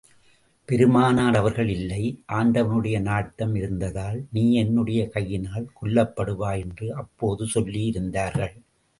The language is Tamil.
பெருமானார் அவர்கள் இல்லை, ஆண்டவனுடைய நாட்டம் இருந்தால், நீ என்னுடைய கையினால் கொல்லப்படுவாய் என்று அப்போது சொல்லி இருந்தார்கள்.